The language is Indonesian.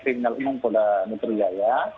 kriminal umum kota nutri jaya